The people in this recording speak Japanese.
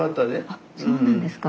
あっそうなんですか。